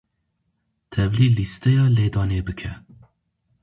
Tevlî lîsteya lêdanê bike.